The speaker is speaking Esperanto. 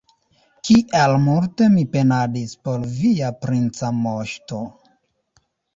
Kiel multe mi penadis por via princa moŝto!